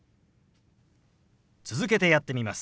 続けてやってみます。